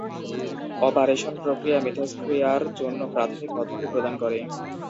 Operation প্রক্রিয়া মিথস্ক্রিয়ার জন্য প্রাথমিক পদ্ধতি প্রদান করে।